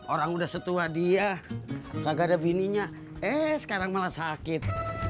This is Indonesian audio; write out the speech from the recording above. orang udah setua dia kagak ada bininya eh sekarang malah sakit